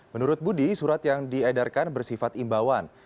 menurut budi surat yang diedarkan bersifat imbauan